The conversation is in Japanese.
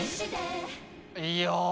いや。